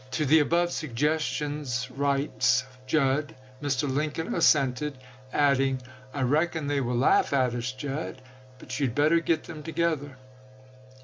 tlie above suggestions," writes Judd, " Mr. Lincoln assented, adding :' I reckon they will laugh at us, Judd, but you had better get them together.'